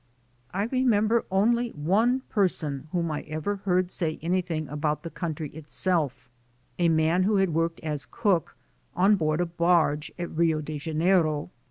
I remember only one person whom I ever heard say anything AMERICA 61 about the country itself; a man who had worked as cook on board a barge at Rio de Janeiro.